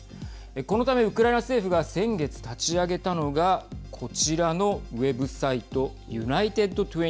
このため、ウクライナ政府が先月立ち上げたのがこちらのウェブサイトＵＮＩＴＥＤ２４です。